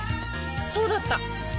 そうだった！